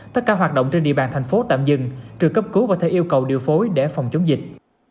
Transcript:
tất cả hoạt động trên địa bàn tp hcm tạm dừng trừ cấp cứu và thể yêu cầu điều phối để phòng chống dịch